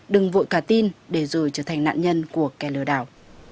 đừng vội cả tin để rồi trở thành nạn nhân của kẻ lừa đảo